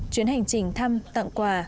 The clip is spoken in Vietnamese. chuyến hành trình thăm tặng quà